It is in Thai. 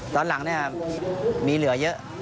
ตอนหลังมีเหลือเยอะ